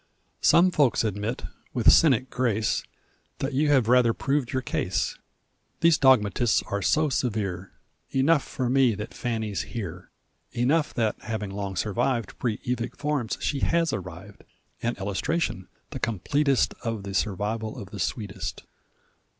Some folks admit, with cynic grace, That you have rather proved your case. These dogmatists are so severe! Enough for me that Fanny's here, Enough that, having long survived Pre Eveic forms, she HAS arrived An illustration the completest Of the survival of the sweetest.